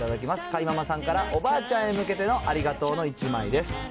かいママさんからおばあちゃんへ向けてのありがとうの１枚です。